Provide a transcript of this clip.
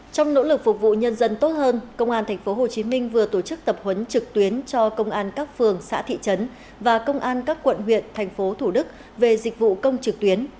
trong nỗ lực phục vụ nhân dân tốt hơn công an tp hcm vừa tổ chức tập huấn trực tuyến cho công an các phường xã thị trấn và công an các quận huyện thành phố thủ đức về dịch vụ công trực tuyến